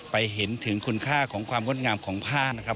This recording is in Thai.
เห็นถึงคุณค่าของความงดงามของผ้านะครับ